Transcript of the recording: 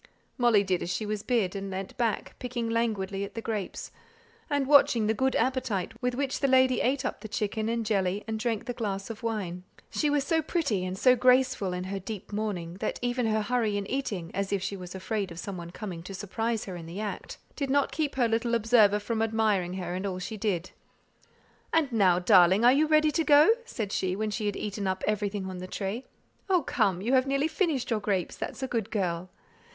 Molly did as she was bid, and leant back, picking languidly at the grapes, and watching the good appetite with which the lady ate up the chicken and jelly, and drank the glass of wine. She was so pretty and so graceful in her deep mourning, that even her hurry in eating, as if she was afraid of some one coming to surprise her in the act, did not keep her little observer from admiring her in all she did. "And now, darling, are you ready to go?" said she, when she had eaten up everything on the tray. "Oh, come; you have nearly finished your grapes; that's a good girl.